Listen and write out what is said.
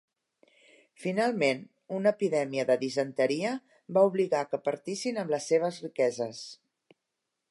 Finalment, una epidèmia de disenteria va obligar que partissin amb les seves riqueses.